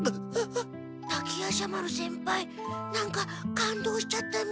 滝夜叉丸先輩なんか感動しちゃったみたい。